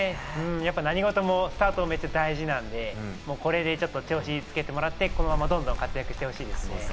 何事もスタートが大切なので、これで調子をつけてもらって、このままどんどん活躍してほしいですね。